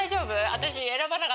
私。